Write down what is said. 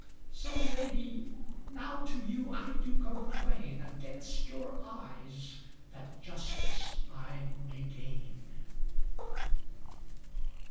So Lady, now to you I do complain Against your eyes that justice I may gain.